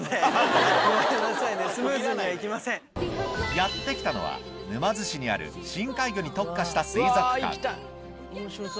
やって来たのは沼津市にある深海魚に特化した水族館